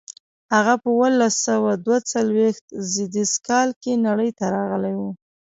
هغه په اوولس سوه دوه څلویښت زېږدیز کال کې نړۍ ته راغلی و.